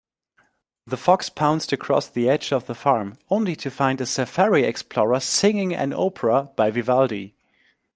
The fox pounced across the edge of the farm, only to find a safari explorer singing an opera by Vivaldi.